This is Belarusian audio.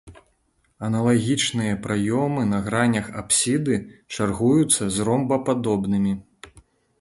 Аналагічныя праёмы на гранях апсіды чаргуюцца з ромбападобнымі.